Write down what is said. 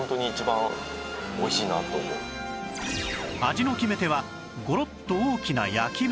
味の決め手はゴロッと大きな焼き豚